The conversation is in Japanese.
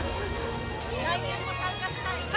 来年も参加したいですか？